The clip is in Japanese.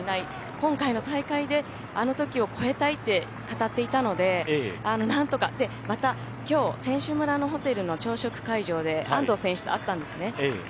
今回の大会であの時を超えたいって語っていたので何とか、また、きょう、選手村のホテルの朝食会場で安藤選手と会ったんですね。